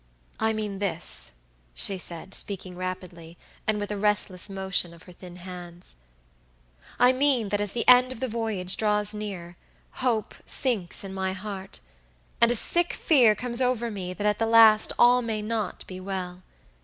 "I mean this," she said, speaking rapidly, and with a restless motion of her thin hands; "I mean that as the end of the voyage draws near, hope sinks in my heart; and a sick fear comes over me that at the last all may not be well.